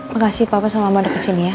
makasih papa sama mama udah kesini ya